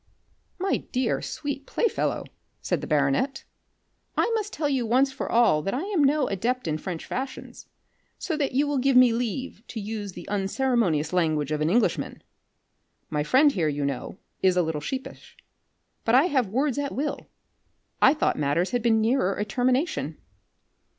"My dear sweet play fellow," said the baronet, "I must tell you once for all that I am no adept in French fashions. So that you will give me leave to use the unceremonious language of an Englishman. My friend here, you know, is a little sheepish, but I have words at will. I thought matters had been nearer a termination."